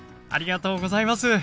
ありがとうございます！